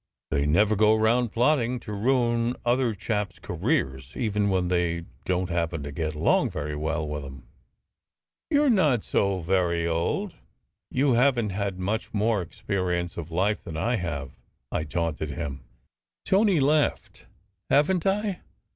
They never go round plotting to ruin other chaps careers, even when they don t happen to get along very well with em." " You re not so very old. You haven t had much more experience of life than I have," I taunted him. Tony laughed. "Haven t I?